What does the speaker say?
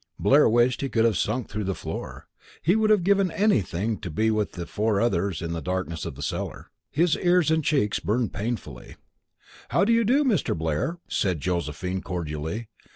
Blair wished he could have sunk through the floor. He would have given anything to be with the other four in the darkness of the cellar. His ears and cheeks burned painfully. "How do you do, Mr. Blair," said Josephine, cordially.